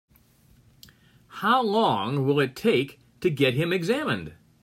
How long will it take to get him examined?